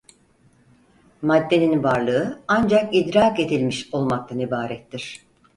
Maddenin varlığı ancak "idrak edilmiş" olmaktan ibarettir.